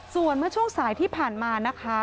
ส่วนเมื่อช่วงสายที่ผ่านมานะคะ